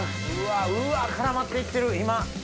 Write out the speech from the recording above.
うわ絡まって行ってる今。